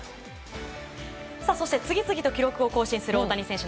そして次々と記録を更新する大谷選手